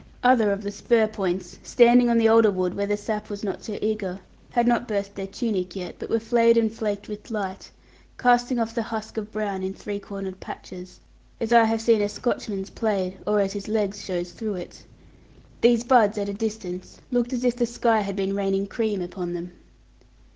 Other of the spur points, standing on the older wood where the sap was not so eager, had not burst their tunic yet, but were flayed and flaked with light, casting off the husk of brown in three cornered patches, as I have seen a Scotchman's plaid, or as his legs shows through it. These buds, at a distance, looked as if the sky had been raining cream upon them.